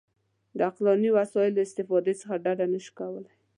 د عقلاني وسایلو استفادې څخه ډډه نه شو کولای.